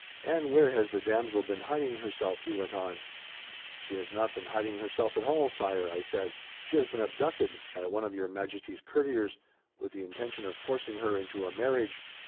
"'And where has the damsel been hiding herself?' he went on. "'She has not been hiding herself, at all, Sire,' I said. 'She has been abducted, by one of Your Majesty's courtiers, with the intention of forcing her into a marriage.